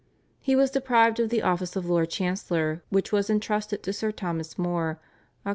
He was deprived of the office of Lord Chancellor which was entrusted to Sir Thomas More (Oct.